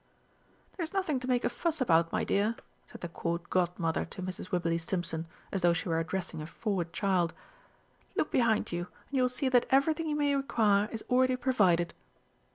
"There is nothing to make a fuss about, my dear," said the Court Godmother to Mrs. Wibberley Stimpson, as though she were addressing a froward child; "look behind you, and you will see that everything you may require is already provided."